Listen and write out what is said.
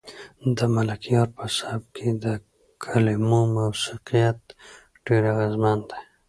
د ملکیار په سبک کې د کلمو موسیقیت ډېر اغېزمن دی.